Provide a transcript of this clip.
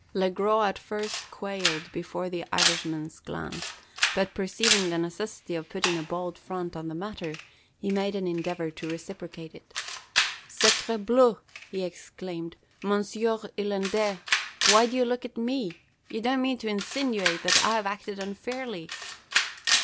Le Gros at first quailed before the Irishman's glance; but, perceiving the necessity of putting a bold front on the matter, he made an endeavour to reciprocate it. "Sacre bleu!" he exclaimed. "Monsieur Irlandais why do you look at me? you don't mean to insinuate that I've acted unfairly?"